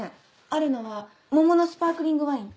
あるのは桃のスパークリングワイン。